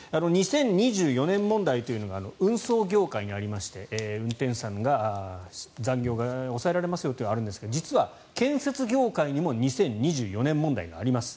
２０２４年問題というのが運送業界にありまして運転手さんの残業が抑えられますよというのがありますが実は建設業界にも２０２４年問題があります。